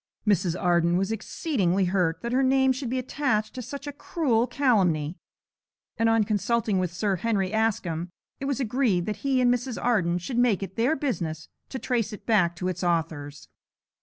Mrs. Arden was exceedingly hurt that her name should be attached to such a cruel calumny, and, on consulting with Sir Henry Askham, it was agreed that he and Mrs. Arden should make it their business to trace it back to its authors.